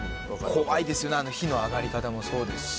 怖いですよねあの火の上がり方もそうですし。